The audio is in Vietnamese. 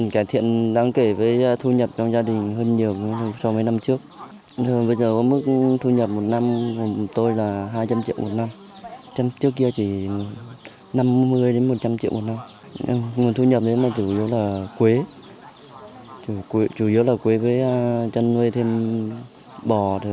chủ yếu là quế với chăn nuôi thêm bò